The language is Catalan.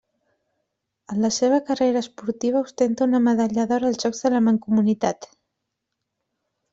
En la seva carrera esportiva ostenta una medalla d'or als Jocs de la Mancomunitat.